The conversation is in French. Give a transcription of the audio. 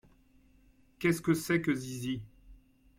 Qu’est-ce que c’est que Zizi ?